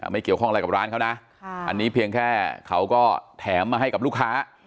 ไม่เกี่ยวข้องอะไรกับร้านเขานะอันนี้เพียงแค่เขาก็แถมมาให้กับลูกค้า